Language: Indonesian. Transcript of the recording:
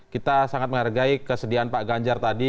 kita sangat menghargai kesediaan pak ganjar tadi